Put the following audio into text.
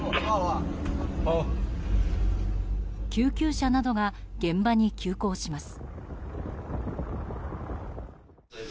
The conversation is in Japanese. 救急車などが現場に急行します。